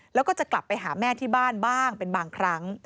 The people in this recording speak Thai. แล้วก็จะกลับไปหาแม่ที่บ้านบ้างเป็นบางครั้ง